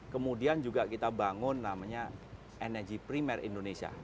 kemudian juga kita bangun namanya energi primer indonesia